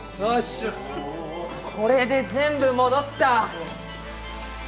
これで全部戻った。